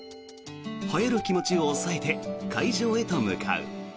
はやる気持ちを抑えて会場へと向かう。